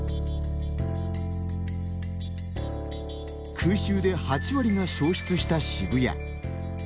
空襲で８割が消失した渋谷。